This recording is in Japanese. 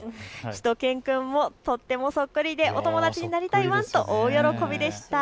しゅと犬くんもとってもそっくりでお友達になりたいワンと大喜びでした。